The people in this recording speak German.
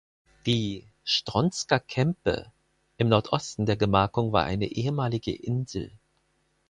Die "Stronsker Kämpe" im Nordosten der Gemarkung war eine ehemalige Insel.